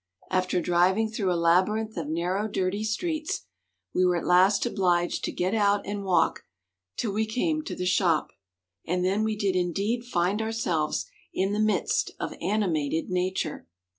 After driving through a labyrinth of narrow, dirty streets, we were at last obliged to get out and walk till we came to the shop, and then we did indeed find ourselves in the midst of "animated nature."